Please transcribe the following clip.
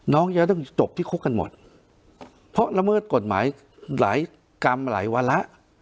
น้องจะต้องจบที่คุกกันหมดเพราะละเมิดกฎหมายหลายกรรมหลายวาระ